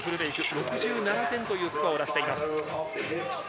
６７点のスコアを出しています。